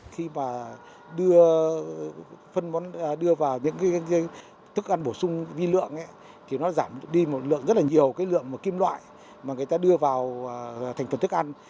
khi mà đưa phân bón đưa vào những thức ăn bổ sung vi lượng thì nó giảm đi một lượng rất là nhiều cái lượng kim loại mà người ta đưa vào thành phần thức ăn